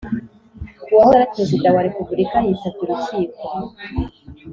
uwahoze ari Perezida wa Repubulika yitabye urukiko.